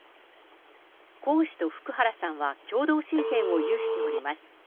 江氏と福原さんは共同親権を有しております。